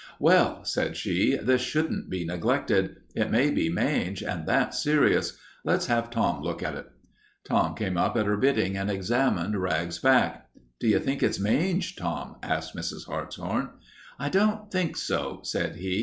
"Well," said she, "this shouldn't be neglected. It may be mange, and that's serious. Let's have Tom look at it." Tom came up at her bidding and examined Rags's back. "Do you think it's mange, Tom?" asked Mrs. Hartshorn. "I don't think so," said he.